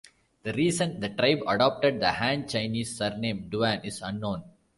The reason the tribe adopted the Han Chinese surname Duan is unknown.